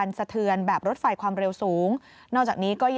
เป็นขบวนรถที่จะช่วยลดปัญหามลภาวะทางอากาศได้ด้วยค่ะ